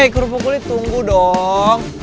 eh kerupu kulit tunggu dong